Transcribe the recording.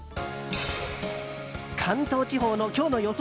関東地方の今日の予想